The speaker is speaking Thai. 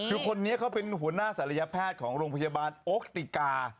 คือคนนี้เขาเป็นหัวหน้าศัลยแพทย์ของโรงพยาบาลโอคติกา